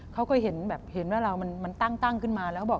เขาก็เห็นแบบเห็นว่าเรามันตั้งขึ้นมาแล้วบอก